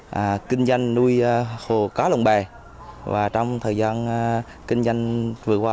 là kinh doanh nuôi hồ cá lồng bè và trong thời gian kinh doanh vừa qua